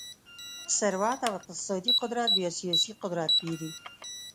ثروت او اقتصادي قدرت بیا سیاسي قدرت پېري.